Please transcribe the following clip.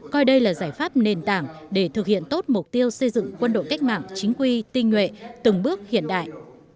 coi đây là giải pháp nền tảng để thực hiện tốt mục tiêu xây dựng quân đội cách mạng chính quy tinh nguyện từng bước hiện đại